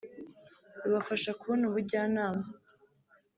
rubafasha kubona ubujyanama